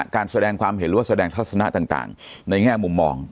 การแสดงความเห็นหรือว่าแสดงทัศนะต่างในแง่มุมมอง